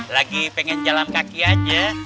lagi pengen jalan kaki aja